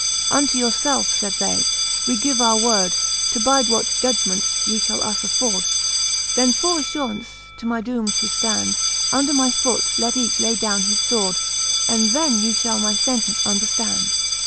Unto yourfelfe, faid they, we give our word, To bide what judement ye fhall us afford. Then for affuraunce to my doome to ftand. Under my foote let each lay downe his fword. And then you fhall my fentence underftand.